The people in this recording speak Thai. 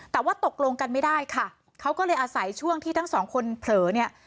แต่ว่าตกลงกันไม่ได้ค่ะเขาก็เลยอาศัยช่วงที่ทั้งสองคนเผลอเนี่ย